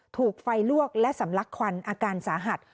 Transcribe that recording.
ถูกไฟลวกและสำลักควันอาการสาหัส